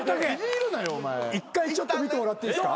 一回ちょっと見てもらっていいですか？